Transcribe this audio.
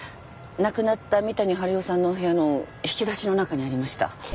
亡くなった三谷治代さんのお部屋の引き出しの中にありました。